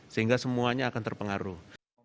sehingga semuanya akan terpengaruh